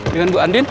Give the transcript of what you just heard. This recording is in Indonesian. dengan bu andin